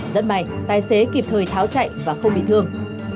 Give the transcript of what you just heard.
rất may tài xế kịp thời tháo chạy và không bị thương